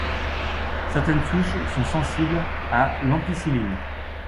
Certaines souches sont sensibles à l'ampicilline.